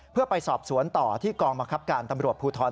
เพื่อไปสอบสวนต่อที่กองบังคับการตำรวจภูทร